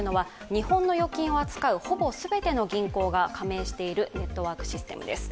日本の預金を扱うほぼ全ての銀行が加盟しているネットワークシステムです。